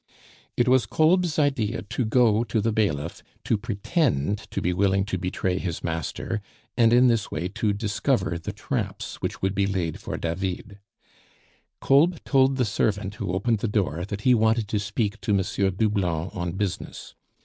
It was Kolb's idea to go to the bailiff, to pretend to be willing to betray his master, and in this way to discover the traps which would be laid for David. Kolb told the servant who opened the door that he wanted to speak to M. Doublon on business.